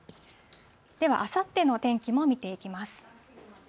では、あさっての天気も見ていきます。